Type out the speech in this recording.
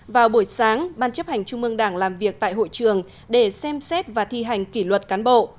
vào buổi sáng ban chấp hành trung mương đảng làm việc tại hội trường để xem xét và thi hành kỷ luật cán bộ